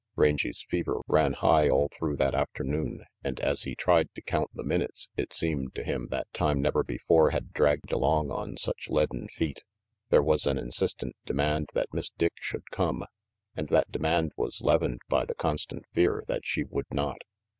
Rangy's fever ran high all through that afternoon, and as he tried to count the minutes it seemed to him that time never before had dragged along on such leaden feet. There was an insistent demand that Miss Dick should come, and that demand was leavened by the constant fear that she would not.